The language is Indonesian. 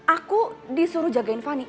aku disuruh jagain fanny